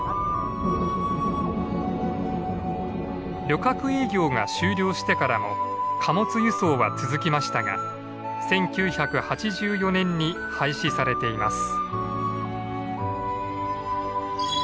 旅客営業が終了してからも貨物輸送は続きましたが１９８４年に廃止されています。